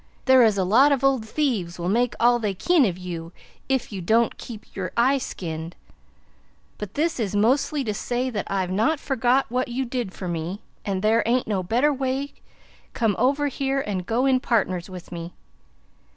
There is a lot of ole theves wil make al they kin of u ef u dont kepe ure i skined. But this is mosly to say that ive not forgot wot u did fur me an if there aint no better way cum over here an go in pardners with me.